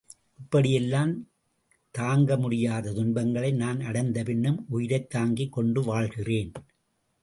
இப்படியெல்லாம் தாங்க முடியாத துன்பங்களை நான் அடைந்த பின்னும், உயிரைத் தாங்கிக் கொண்டு வாழ்கின்றேன்.